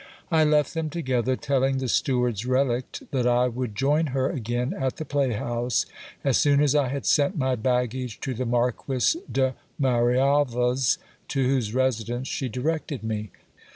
I left them together, telling the steward's relict that I would join her again at the playhouse, as soon as I had sent my baggage to the Marquis de Marial va' s, to whose residence she directed me.